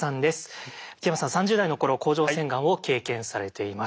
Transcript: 木山さん３０代の頃甲状腺がんを経験されています。